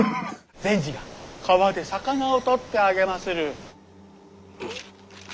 善児が川で魚を捕ってあげまする。